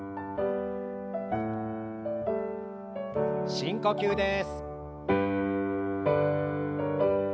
深呼吸です。